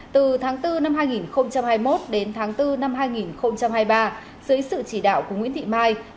từ tháng bốn năm hai nghìn hai mươi một đến tháng bốn năm hai nghìn hai mươi ba dưới sự chỉ đạo của nguyễn thị mai